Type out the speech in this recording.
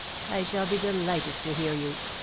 ... I shall be delighted to hear yen. .